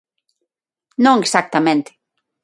Non exactamente.